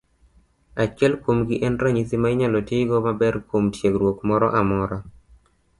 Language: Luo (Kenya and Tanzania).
Achiel kuomgi en ranyisi ma inyalo ti godo maber kuom tiegruok moro amora.